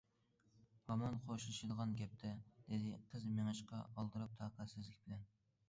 - ھامان خوشلىشىدىغان گەپتە،- دېدى قىز مېڭىشقا ئالدىراپ تاقەتسىزلىك بىلەن.